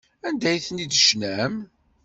Anda ay ten-id-tecnam?